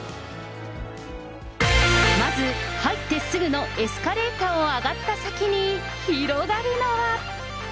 まず入ってすぐのエスカレーターを上がった先に広がるのは。